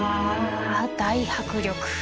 大迫力。